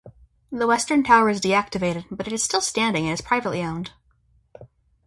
The western tower is deactivated, but it is still standing and is privately owned.